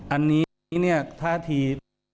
อันนี้เนี่ยท่าที